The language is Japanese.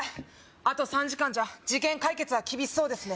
あと３時間じゃ事件解決は厳しそうですね